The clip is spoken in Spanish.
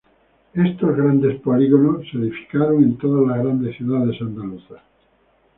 Estos grandes polígonos se edificaron en todas las grandes ciudades andaluzas.